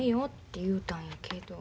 て言うたんやけど。